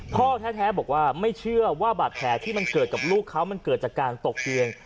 พ่อแท้บอกว่าไม่เชื่อว่าบาดแผลที่มันเกิดกับลูกเขามันเกิดจากการตกเตียง